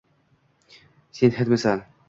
Sen hindmisan